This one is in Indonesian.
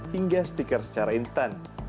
hingga stiker secara instan